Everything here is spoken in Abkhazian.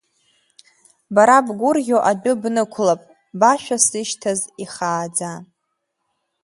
Бара бгәырӷьо адәы бнықәлап, башәа сышьҭаз ихааӡа!